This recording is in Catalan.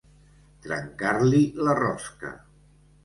Trencar-li la rosca.